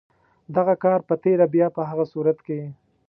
دغه کار په تېره بیا په هغه صورت کې.